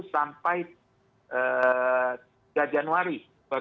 sampai sejak januari dua ribu dua puluh tiga